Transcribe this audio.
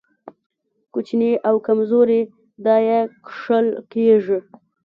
کوچني او کمزوري دا يې کښل کېږي.